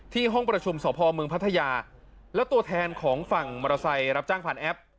ที่ห้องประชุมสมพัทยาและตัวแทนของฝั่งมอเตอร์ไซรับจ้างผ่านแอป